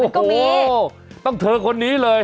มันก็มีโอ้โหต้องเธอคนนี้เลย